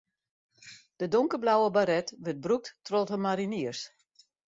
De donkerblauwe baret wurdt brûkt troch de mariniers.